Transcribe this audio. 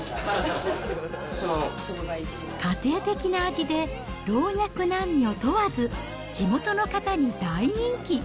家庭的な味で、老若男女問わず、地元の方に大人気。